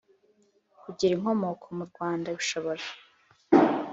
Kugira inkomoko mu rwanda bishobora